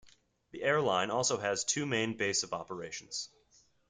The airline also has two main base of operations.